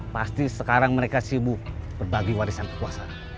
pasti sekarang mereka sibuk berbagi warisan kekuasaan